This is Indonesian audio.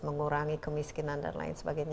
mengurangi kemiskinan dan lain sebagainya